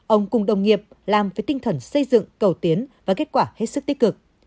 ông cùng đồng nghiệp làm với tinh thần xây dựng cầu tiến và kết quả hết sức tích cực